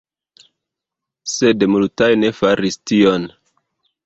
Sed multaj ne faris tion.